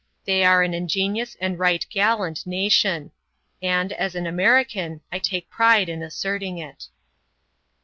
They are an ingenious and light gallant nation. And, as an American, I take pride in asserting it.